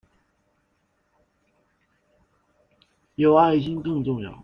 有愛心最重要